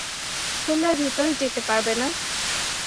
তোমরা ভেতরে যেতে পারবে না।